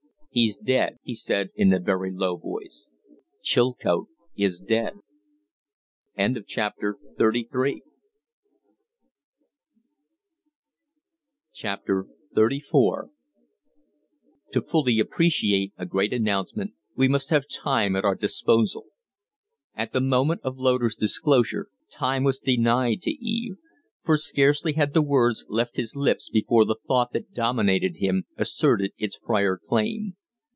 "He's dead," he said, in a very low voice. "Chilcote is dead." XXXIV To fully appreciate a great announcement we must have time at our disposal. At the moment of Loder's disclosure time was denied to Eve; for scarcely had the words left his lips before the thought that dominated him asserted its prior claim.